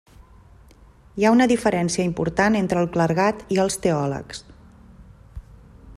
Hi ha una diferència important entre el clergat i els teòlegs.